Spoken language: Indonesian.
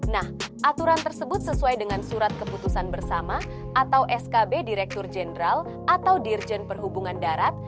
nah aturan tersebut sesuai dengan surat keputusan bersama atau skb direktur jenderal atau dirjen perhubungan darat